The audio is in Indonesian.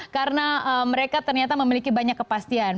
karena mereka ternyata memiliki banyak kepastian